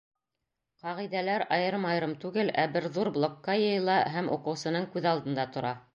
Ҡағиҙәләр айырым-айырым түгел, ә бер ҙур блокҡа йыйыла һәм уҡыусының күҙ алдында тора.